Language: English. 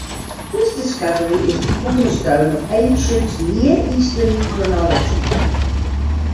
This discovery is the cornerstone of ancient Near Eastern chronology.